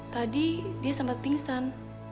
tadi dia sempat pingsan